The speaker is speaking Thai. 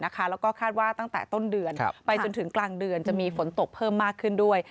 แล้วก็คาดว่าตั้งแต่ต้นเดือนไปจนถึงกลางเดือนจะมีฝนตกเพิ่มมากขึ้นด้วย